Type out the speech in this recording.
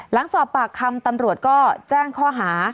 หลังสอบปากคำตำรวจก็แจ้งข้อหา